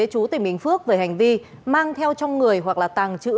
chú tỉnh bình phước về hành vi mang theo trong người hoặc là tàng trữ